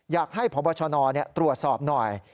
อยากให้พบชนตรวจสอบหน่อย